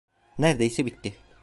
Neredeyse bitti.